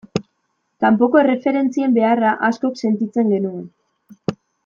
Kanpoko erreferentzien beharra askok sentitzen genuen.